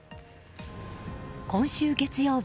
今週月曜日